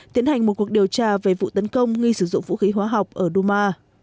tiến hành một cuộc điều tra về vụ tấn công nghi sử dụng vũ khí hóa học ở duma